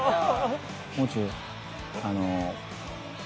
もう中あの。